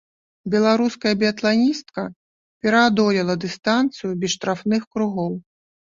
Беларуская біятланістка пераадолела дыстанцыю без штрафных кругоў.